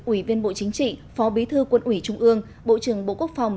ủy viên bộ chính trị phó bí thư quân ủy trung ương bộ trưởng bộ quốc phòng